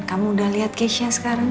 kamu udah lihat kesha sekarang